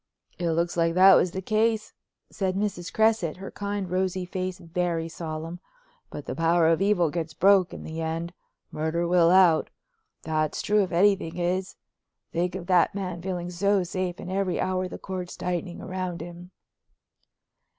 "It looks like that was the case," said Mrs. Cresset, her kind, rosy face very solemn. "But the power of evil gets broke in the end. 'Murder will out'—that's true if anything is. Think of that man feeling so safe and every hour the cords tightening round him."